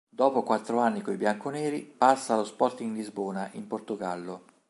Dopo quattro anni coi bianco-neri, passa allo Sporting Lisbona, in Portogallo.